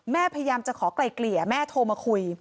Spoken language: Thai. พยายามจะขอไกลเกลี่ยแม่โทรมาคุย